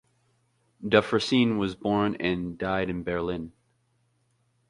Dufresne was born and died in Berlin.